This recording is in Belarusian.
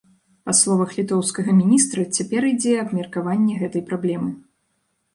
Па словах літоўскага міністра, цяпер ідзе абмеркаванне гэтай праблемы.